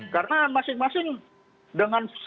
karena masing masing dengan